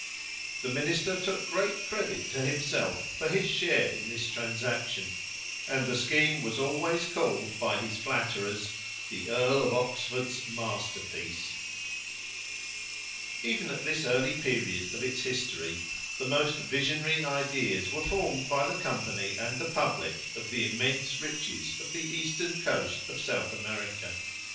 The minister took great credit to himself for his share in this transaction, and the scheme was always called by his flatterers "the Earl of Oxford's masterpiece." [Illustration: HARLEY EARL OF OXFORD] Even at this early period of its history the most visionary ideas were formed by the company and the public of the immense riches of the eastern coast of South America.